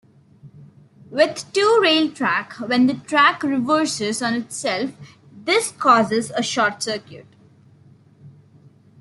With two-rail track, when the track reverses on itself, this causes a short circuit.